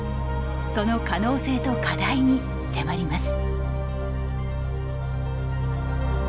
その可能性と課題に迫ります。